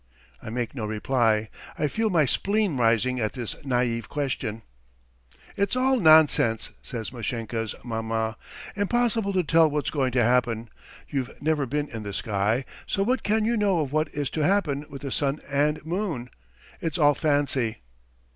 I make no reply. I feel my spleen rising at this naïve question. "It's all nonsense," says Mashenka's maman. "Impossible to tell what's going to happen. You've never been in the sky, so what can you know of what is to happen with the sun and moon? It's all fancy."